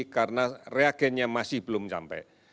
karena reagennya masih belum sampai